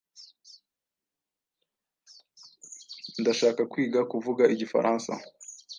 Ndashaka kwiga kuvuga Igifaransa.